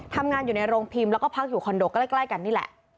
ทำงานอยู่ในโรงพิมพ์แล้วก็พักอยู่คอนโดก็ใกล้กันนี่แหละ